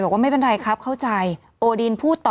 ไม่เป็นไรครับเข้าใจโอดีนพูดต่อ